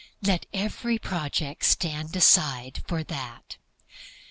Let every project stand aside for that.